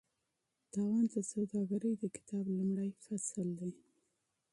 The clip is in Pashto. تاوان د سوداګرۍ د کتاب لومړی فصل دی.